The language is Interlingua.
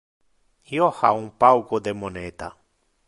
Io ha un pauco de moneta.